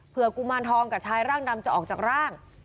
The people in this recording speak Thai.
เพื่อกุมารทองกับชายร่างดำจะออกจากร่าง